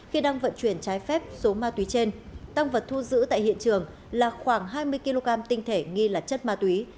khi đang vận chuyển trái phép số ma túy trên tăng vật thu giữ tại hiện trường là khoảng hai mươi kg tinh thể nghi là chất ma túy